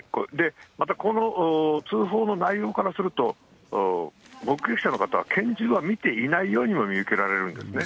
またこの通報の内容からすると、目撃者の方は拳銃は見ていないようにも見受けられるんですね。